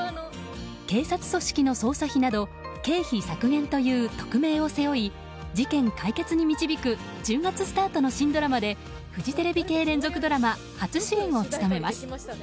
警察組織の捜査費など経費削減というトクメイを背負い事件解決に導く１０月スタートの新ドラマでフジテレビ系連続ドラマ初主演を務めます。